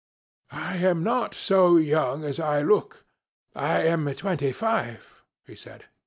'I am not so young as I look. I am twenty five,' he said.